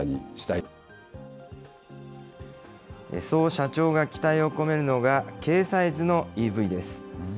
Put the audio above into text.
そう社長が期待を込めるのが、軽サイズのＥＶです。